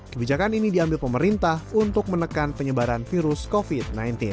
kebijakan ini diambil pemerintah untuk menekan penyebaran virus covid sembilan belas